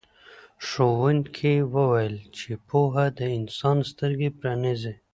ښوونکي وویل چې پوهه د انسان سترګې پرانیزي.